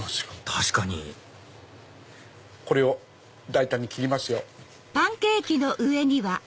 確かにこれを大胆に切りますよ。